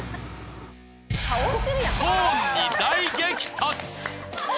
コーンに大激突！